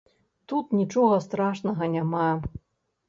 Тут нічога страшнага няма.